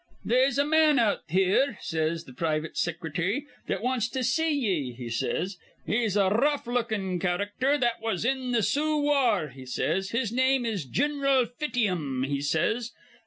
"'They'se a man out here,' says th' privit sicrity, 'that wants to see ye,' he says. 'He's a r rough lookin' charackter that was in th' Soo war,' he says. 'His name is Gin'ral Fiteum,' he says.